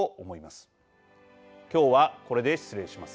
今日はこれで失礼します。